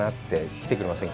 来てくれませんか。